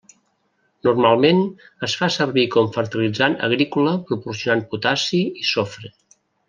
Normalment es fa servir com fertilitzant agrícola proporcionant potassi i sofre.